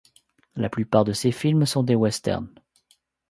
La plupart de ses films sont des westerns.